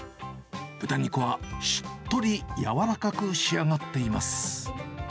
豚肉はしっとり柔らかく仕上がっています。